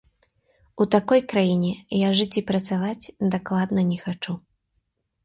У такой краіне я жыць і працаваць дакладна не хачу.